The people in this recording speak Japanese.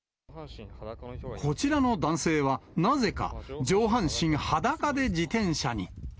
こちらの男性は、なぜか上半身裸で自転車に。